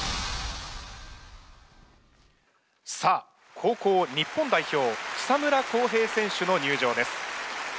さあ後攻日本代表草村航平選手の入場です。